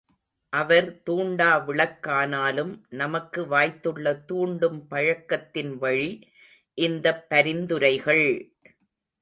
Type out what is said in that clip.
அவர் தூண்டா விளக்கானாலும் நமக்கு வாய்த்துள்ள தூண்டும் பழக்கத்தின் வழி இந்தப் பரிந்துரைகள்!